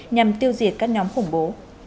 nhằm tiêu diệt các nhóm khủng bố